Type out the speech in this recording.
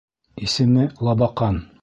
Исеме Лабаҡан.